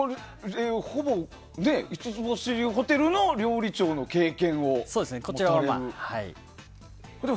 ほぼ、五つ星ホテルの料理長の経験を持たれる。